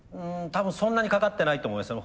多分そんなにかかってないと思います。